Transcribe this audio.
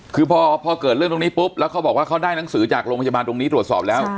คือพอเกิดเรื่องตรงนี้ปุ๊บแล้วเขาบอกว่าเขาได้หนังสือจากโรงพยาบาลตรงนี้ตรวจสอบแล้ว